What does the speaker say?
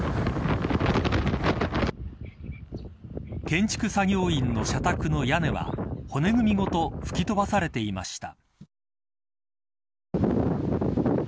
建築作業員の社宅の屋根は骨組みごと吹き飛ばされていました。